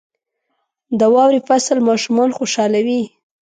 • د واورې فصل ماشومان خوشحالوي.